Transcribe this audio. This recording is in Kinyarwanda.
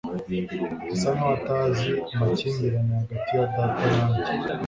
asa nkaho atazi amakimbirane hagati ya data na njye